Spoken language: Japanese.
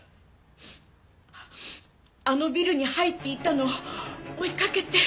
あのビルに入っていったのを追いかけて。